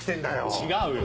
違うよ。